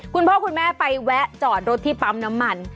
คุณพ่อคุณแม่ไปแวะจอดรถที่ปั๊มน้ำมัน